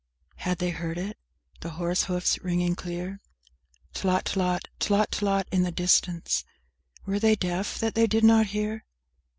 Had they heard it? The horse hoofs ringing clear; Tlot tlot, tlot tlot, in the distance? Were they deaf that they did not hear?